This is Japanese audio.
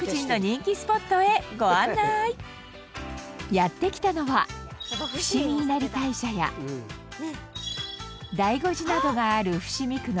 やって来たのは伏見稲荷大社や醍醐寺などがある伏見区の。